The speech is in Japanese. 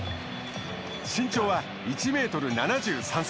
身長は１ｍ７３ｃｍ。